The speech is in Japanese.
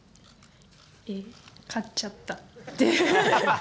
えっ、勝っちゃったって。